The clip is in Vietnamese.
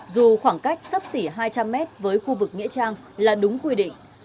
dù khoảng cách sấp xỉ hai trăm linh m với khu vực nghĩa trang là đúng quy định